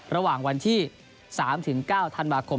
ระหว่างวันที่๓ถึง๙ธั่นหวัคคม